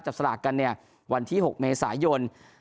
สลากกันเนี่ยวันที่๖เมษายน